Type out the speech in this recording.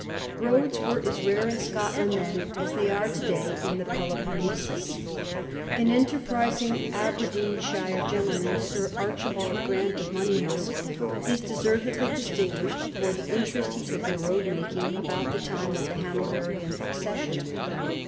Roads were as rare in Scotland then as they are to day in Peloponnesus. Anenterprisiiig Aberdeenshire gentleman, Sir Archibald Grant, of Monjmausk, is deservedly distinguished for the inte rest he took in road making about the time of the Hanoverian accession.